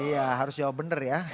iya harus jawab benar ya